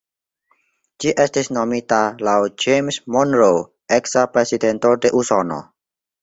Ĝi estis nomita laŭ James Monroe, eksa prezidento de Usono.